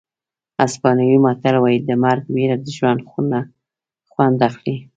اسپانوي متل وایي د مرګ وېره د ژوند خوند اخلي.